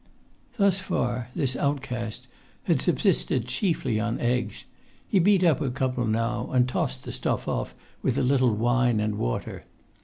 Thus far this outcast had subsisted chiefly on eggs; he beat up a couple now, and tossed the stuff off with a little wine and water.